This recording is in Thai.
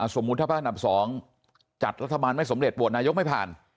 สมมุติถ้าภาคอันดับ๒จัดรัฐบาลไม่สำเร็จโหวตนายกไม่ผ่าน